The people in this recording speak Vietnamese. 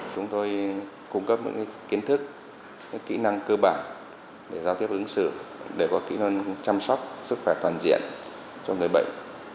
chúng tôi cung cấp những kiến thức những kỹ năng cơ bản để giao tiếp ứng xử để có kỹ năng chăm sóc sức khỏe toàn diện cho người bệnh